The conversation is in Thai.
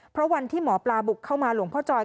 เพราะวันที่หมอปลาบุกเข้ามาหลวงพ่อจอย